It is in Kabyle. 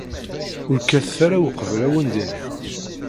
Ur kkatet ara uqbel ad wen-d-iniɣ!